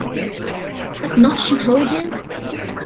Has not she told you?